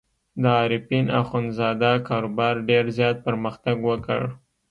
د عارفین اخندزاده کاروبار ډېر زیات پرمختګ وکړ.